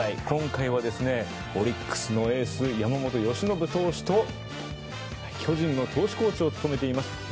今回はオリックスのエース山本由伸投手と巨人の投手コーチを務めています